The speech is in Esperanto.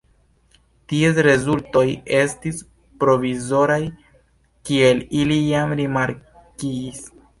Ties rezultoj estis provizoraj, kiel ili jam rimarkigis.